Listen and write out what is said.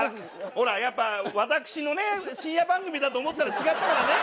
ほらやっぱ私の深夜番組だと思ったら違ったからね。